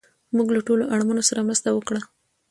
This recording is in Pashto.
موږ له ټولو اړمنو سره مرسته وکړه